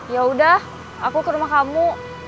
yaudah aku ke rumah kamu